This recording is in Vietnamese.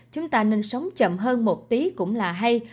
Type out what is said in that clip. chúng ta nên sống chậm hơn một tí cũng là hay